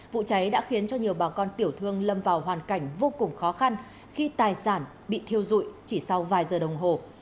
vụ cháy đã khiến cho nhiều bà con tiểu thương lâm vào hoàn cảnh vô cùng khó khăn khi tài sản bị thiêu dụi chỉ sau vài giờ đồng hồ